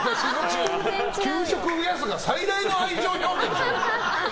給食増やすが最大の愛情表現でしょ。